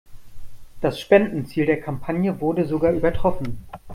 Das Spendenziel der Kampagne wurde sogar übertroffen.